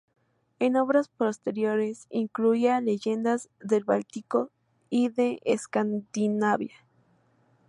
En obras posteriores incluía leyendas del Báltico y de Escandinavia.